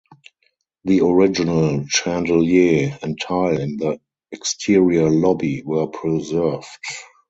The original chandelier and tile in the exterior lobby were preserved.